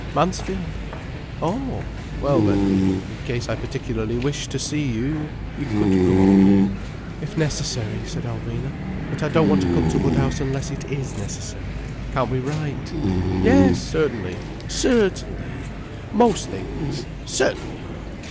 "Mansfield!" "Oh! Well then, in case I particularly wished to see you, you could come over?" "If necessary," said Alvina. "But I don't want to come to Woodhouse unless it is necessary. Can't we write?" "Yes—certainly! Certainly!—most things! Certainly!